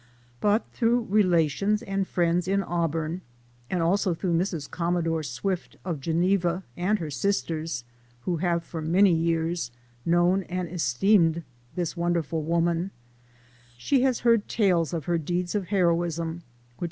But through relations and friends in Auburn, and also through Mrs. Commodore Swift of Geneva, and her sisters, who have for many years known and esteemed this wonderful woman, she has heard tales of her deeds of heroism which PREFACE.